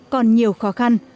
còn nhiều khó khăn